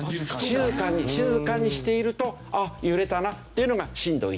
静かにしているとあっ揺れたなっていうのが震度１。